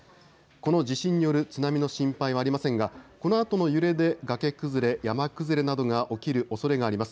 この地震による津波の心配はありませんが、このあとの揺れで崖崩れ、山崩れなどが起きるおそれがあります。